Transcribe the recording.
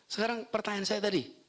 sekarang pertanyaan saya tadi